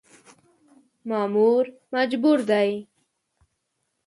مامور مجبور دی .